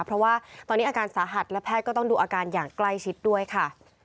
เพราะว่าตอนนี้อาการสาหัสและแพทย์ก็ต้องดูอาการอย่างใกล้ชิดด้วยค่ะ